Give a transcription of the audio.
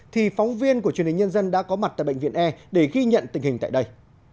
thì phóng viên của truyền hình nhân dân đã có mặt tại bệnh viện e để ghi nhận tình hình tại đây